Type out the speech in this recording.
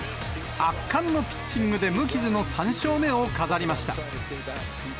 圧巻のピッチングで無傷の３勝目を飾りました。